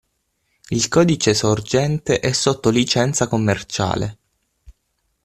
Il codice sorgente è sotto licenza commerciale.